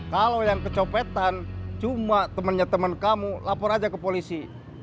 kalau yang kecepetan cuma temennya temen kamu lapor aja ke polisi